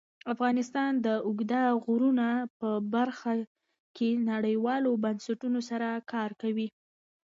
افغانستان د اوږده غرونه په برخه کې نړیوالو بنسټونو سره کار کوي.